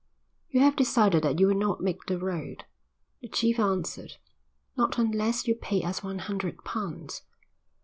"You have decided that you will not make the road?" The chief answered. "Not unless you pay us one hundred pounds."